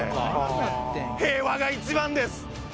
平和が一番です！